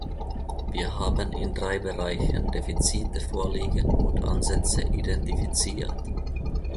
Wir haben in drei Bereichen Defizite vorliegen und Ansätze identifiziert.